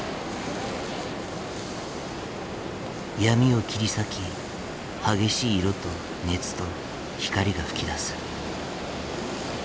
闇を切り裂き激しい色と熱と光が噴き出す。